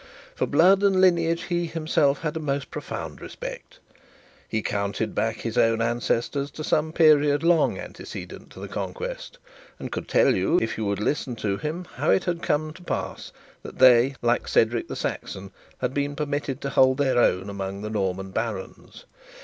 For blood and lineage he himself had a must profound respect. He counted back his own ancestors to some period long antecedent to the Conquest; and could tell you, if you would listen to him, how it had come to pass that they, like Cedric the Saxon, had been permitted to hold their own among the Norman barons.